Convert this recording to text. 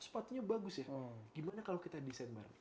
sepatunya bagus ya gimana kalau kita desain bareng